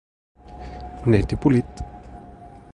Net i polit.